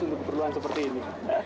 untuk keperluan seperti ini